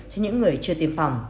cho những người chưa tiêm phòng